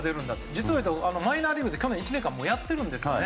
実をいうとマイナーリーグで去年１年間やっているんですね。